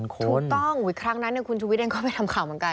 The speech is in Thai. ถูกต้องครั้งนั้นคุณชุวิตเองก็ไปทำข่าวเหมือนกัน